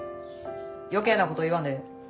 余計なこと言わんでええ。